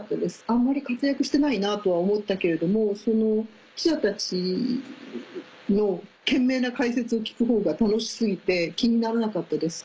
あんまり活躍してないなとは思ったけれども記者たちの懸命な解説を聞くほうが楽し過ぎて気にならなかったです。